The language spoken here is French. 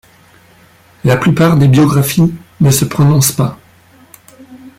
La plupart des biographies ne se prononcent pas.